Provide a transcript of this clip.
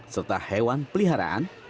serta hewan peliharaan